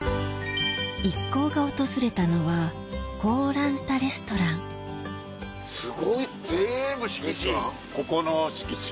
一行が訪れたのはすごい全部敷地？